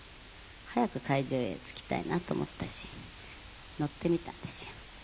早く会場へ着きたいなと思ったし乗ってみたんですよ。